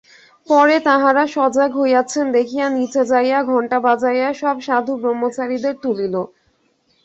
পরে তাঁহারা সজাগ হইয়াছেন দেখিয়া নীচে যাইয়া ঘণ্টা বাজাইয়া সব সাধু-ব্রহ্মচারীদের তুলিল।